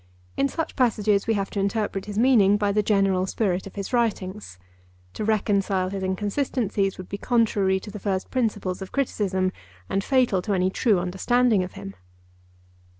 In such passages we have to interpret his meaning by the general spirit of his writings. To reconcile his inconsistencies would be contrary to the first principles of criticism and fatal to any true understanding of him.